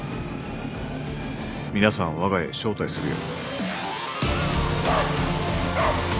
皆さんをわが家へ招待するよ。